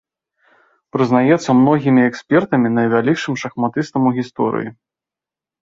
Прызнаецца многімі экспертамі найвялікшым шахматыстам ў гісторыі.